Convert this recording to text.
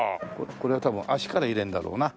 これは多分足から入れるんだろうな。